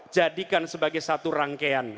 jadikan sebagai satu rangkaian